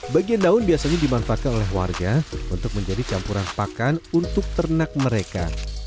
bagian daun biasanya dimanfaatkan oleh warga untuk menjadi campuran pakan untuk ternak mereka